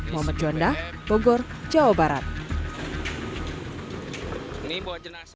mohon jondah bogor jawa barat ini buat jenazah